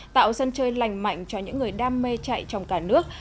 tạo sân chơi lành mạnh cho những người đam mê chạy trong cả nước